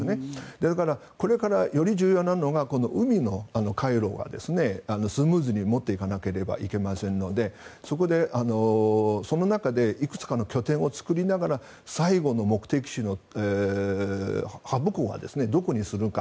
だから、これからより重要なのが海の海路がスムーズに持っていかなければいけませんのでその中でいくつかの拠点を作りながら最後の目的地のハブ港はどこにするか。